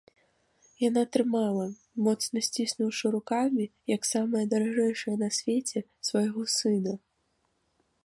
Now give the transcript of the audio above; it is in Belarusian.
Яна трымала, моцна сціснуўшы рукамі, як самае даражэйшае на свеце, свайго сына.